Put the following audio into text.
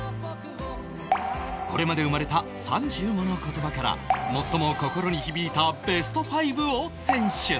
これまで生まれた３０もの言葉から最も心に響いたベスト５を選出